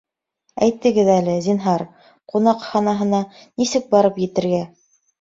Әйтегеҙ әле, зинһар,... ҡунаҡханаһына нисек барып етергә?